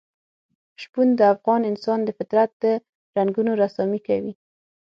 شپون د افغان انسان د فطرت د رنګونو رسامي کوي.